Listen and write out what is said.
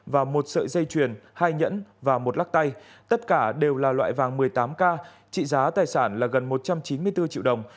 và một sợi dây chuyền hai nhẫn và một lắc tay tất cả đều là loại vàng một mươi tám k trị giá tài sản là gần một trăm chín mươi bốn triệu đồng